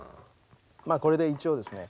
まあこれで一応ですね